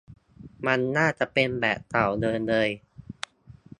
มันน่าจะเป็นแบบเต่าเดินเลย